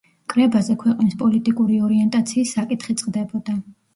კრებაზე ქვეყნის პოლიტიკური ორიენტაციის საკითხი წყდებოდა.